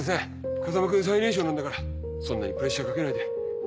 風真君最年少なんだからそんなにプレッシャーかけないで。